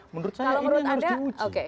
menurut saya ini yang harus diuji